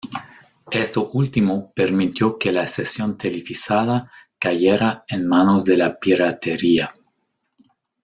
Esto último permitió que la sesión televisada cayera en manos de la piratería.